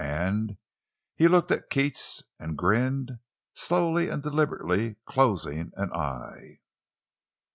And—" he looked at Keats and grinned, slowly and deliberately closing an eye.